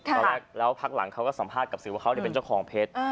ตอนแรกแล้วพักหลังเขาก็สัมภาษณ์กับสื่อว่าเขาเป็นเจ้าของเพชร